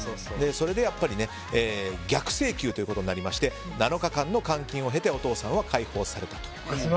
それで逆請求ということになりまして７日間の監禁を経てお父さんは解放されたと。